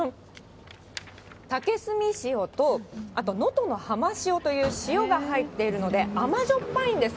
竹炭塩とあとのとのはま塩という塩が入っているので、甘じょっぱいんです。